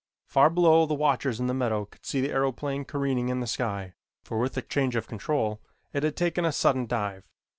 Far below the watchers in the meadow could see the aeroplane careening in the sky, for with the change of control it had taken a sudden dive.